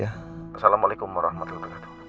assalamualaikum warahmatullahi wabarakatuh